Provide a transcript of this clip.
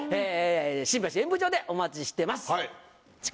新橋演舞場でお待ちしてます。